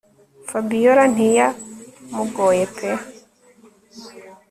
Fabiora ntiya mugoye pe